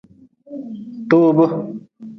Toob.